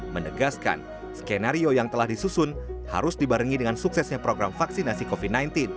menegaskan skenario yang telah disusun harus dibarengi dengan suksesnya program vaksinasi covid sembilan belas